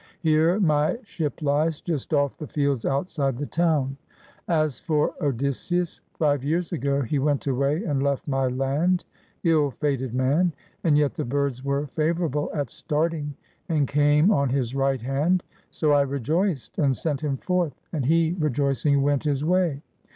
Here my ship lies, just off the fields outside the town. As for Odysseus, five years ago he went away and left my land. Ill fated man! And yet the birds were favorable at starting and came on his right hand. So I rejoiced and sent him forth, and he rejoicing went his way.